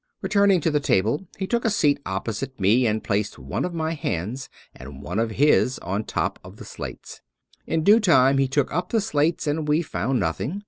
Returning to the table he took a seat opposite me and placed one of my hands and one of his on top of the slates. In due time he took up the slates and we found nothing.